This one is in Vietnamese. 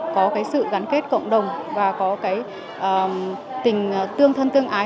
có sự gắn kết cộng đồng và có tình tương thân tương ái